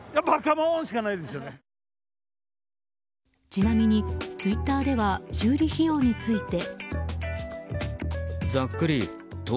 ちなみに、ツイッターでは修理費用について。